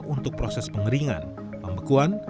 untuk proses pengeringan pembekuan